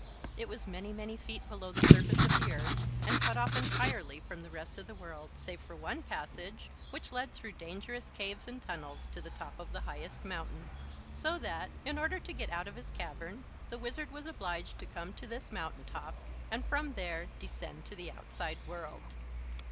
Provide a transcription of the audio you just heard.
It was many, many feet below the surface of the earth and cut off entirely from the rest of the world, save for one passage which led through dangerous caves and tunnels to the top of the highest mountain. So that, in order to get out of his cavern, the Wizard was obliged to come to this mountain top, and from there descend to the outside world.